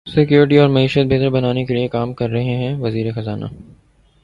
security اور معیشت بہتر بنانے کیلئے کام کر رہے ہیںوزیر خزانہ